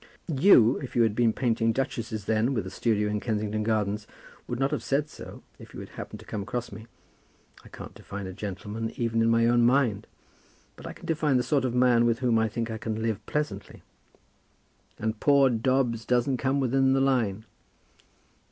"You, if you had been painting duchesses then, with a studio in Kensington Gardens, would not have said so, if you had happened to come across me. I can't define a gentleman, even in my own mind; but I can define the sort of man with whom I think I can live pleasantly." "And poor Dobbs doesn't come within the line?"